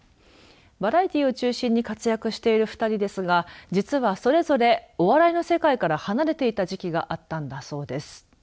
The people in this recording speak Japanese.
バラエティーを中心に活躍している２人ですが実は、それぞれお笑いの世界から離れていた時期があったんだそうです。